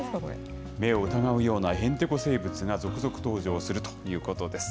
目を疑うようなへんてこ生物が続々登場するということです。